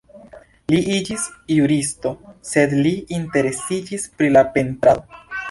Li iĝis juristo, sed li interesiĝis pri la pentrado.